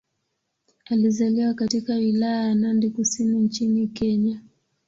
Alizaliwa katika Wilaya ya Nandi Kusini nchini Kenya.